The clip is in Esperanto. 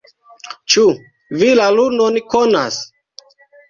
Ĉu vi la lunon konas?